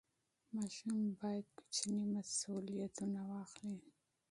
ماشوم باید کوچني مسوولیتونه واخلي.